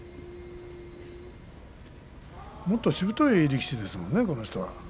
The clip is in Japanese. もっとしぶとい力士ですもんね